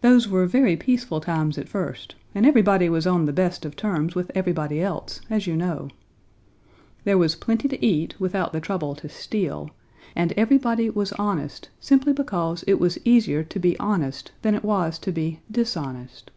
Those were very peaceful times at first, and everybody was on the best of terms with everybody else, as you know. There was plenty to eat without the trouble to steal, and everybody was honest simply because it was easier to be honest than it was to be dishonest.